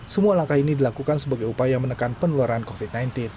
semua langkah ini dilakukan sebagai upaya menekan penularan covid sembilan belas